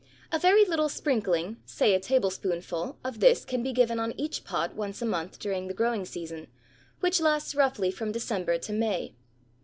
A very little sprinkling, say a tablespoonful, of this can be given on each pot once a month during the growing season which lasts roughly from December to May.